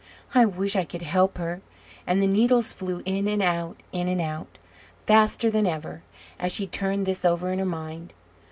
"I wish I could help her!" and the needles flew in and out, in and out, faster than ever, as she turned this over in her mind.